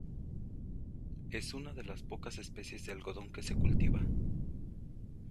Es una de las pocas especies de algodón que se cultiva.